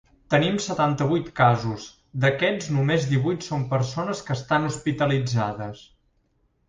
Tenim setanta-vuit casos, d’aquests només divuit són persones que estan hospitalitzades.